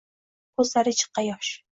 Koʻzlari jiqqa yosh